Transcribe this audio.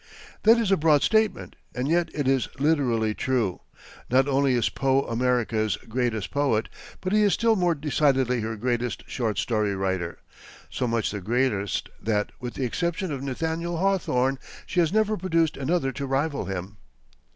That is a broad statement, and yet it is literally true. Not only is Poe America's greatest poet, but he is still more decidedly her greatest short story writer so much the greatest, that with the exception of Nathaniel Hawthorne, she has never produced another to rival him.